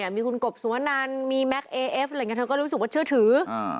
มีคุณกบสุวนันมีแม็กซ์เอเอฟเขาก็รู้สึกว่าเชื่อถือ